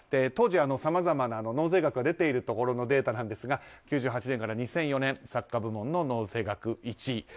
当時、さまざまな納税額が出ているところのデータですが９８年から２００４年作家部門の納税額１位。